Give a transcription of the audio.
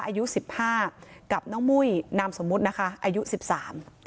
อายุสิบห้ากับน้องมุ้ยนามสมมุตินะคะอายุสิบสาม